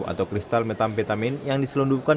atau kristal metamfetamin yang diselundupkan